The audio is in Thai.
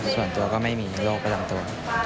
ส่วนตัวก็ไม่มีโรคประจำตัว